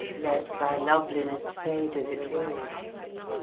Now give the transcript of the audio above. Let thy loveliness fade as it will.